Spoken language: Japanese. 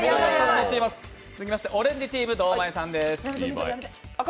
続きましてオレンジチーム、堂前さんです。